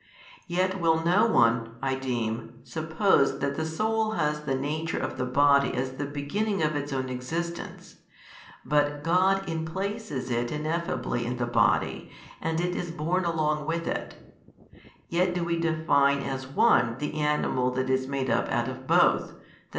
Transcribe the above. Yet will no one (I deem) suppose that the soul has the nature of the body as the beginning of its own existence, but God inplaces it ineffably in the body and it is born along with it; yet do we define as one the animal that is made up out of both, i.